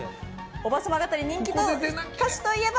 おばさま方に人気の歌手といえば？